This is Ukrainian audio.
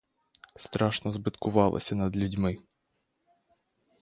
Страшно збиткувалися над людьми!